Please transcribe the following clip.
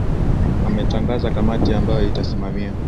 ametangaza kamati ambayo itasimamia